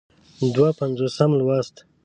دوه پينځوسم لوست